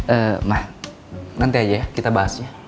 eee mah nanti aja ya kita bahas ya